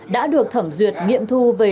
đã được thẩm duyệt nghiệm thu về